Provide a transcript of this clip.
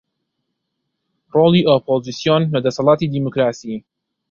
ڕۆڵی ئۆپۆزسیۆن لە دەسەڵاتی دیموکراسی